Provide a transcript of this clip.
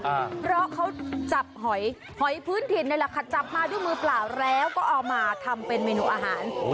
เพราะเขาจับหอยหอยพื้นถิ่นนี่แหละค่ะจับมาด้วยมือเปล่าแล้วก็เอามาทำเป็นเมนูอาหาร